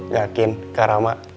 gak yakin karama